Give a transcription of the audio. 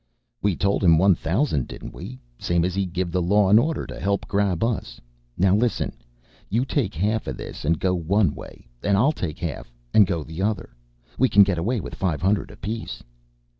"We tol' him one thousand, didn't we? Same as he give the Law and Order to help grab us. Now, listen! You take half of this and go one way, an' I'll take half an' go the other. We can get away with five hundred apiece."